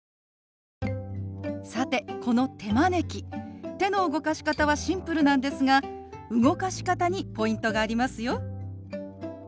さてこの手招き手の動かし方はシンプルなんですが動かし方にポイントがありますよ。